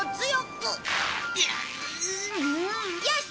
よし！